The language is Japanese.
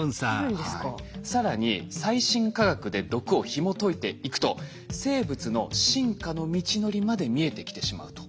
更に最新科学で毒をひもといていくと生物の進化の道のりまで見えてきてしまうと。